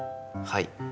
はい。